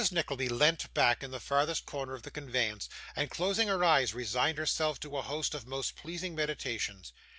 Nickleby leant back in the furthest corner of the conveyance, and, closing her eyes, resigned herself to a host of most pleasing meditations.